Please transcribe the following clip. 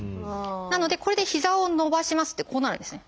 なのでこれで膝を伸ばしますってこうなるんですね。